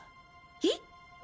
えっ？